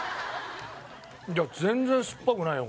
いや全然すっぱくないよ